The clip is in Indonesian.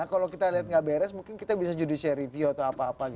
kalau kita lihat nggak beres mungkin kita bisa judicial review atau apa apa gitu